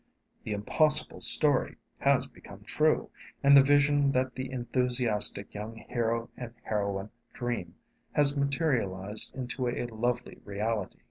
The "impossible story" has become true, and the vision that the enthusiastic young hero and heroine dream has materialized into a lovely reality.